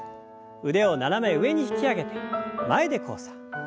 腕を斜め上に引き上げて前で交差。